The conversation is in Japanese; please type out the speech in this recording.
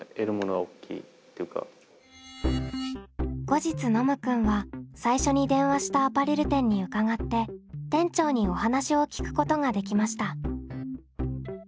後日ノムくんは最初に電話したアパレル店に伺って店長にお話を聞くことができました。